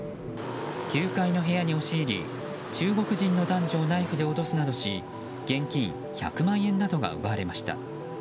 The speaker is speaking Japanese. ９階の部屋に押し入り中国人の男女をナイフで脅すなどし現金１００万円などが奪われました。